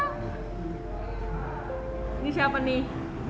ini siapa nih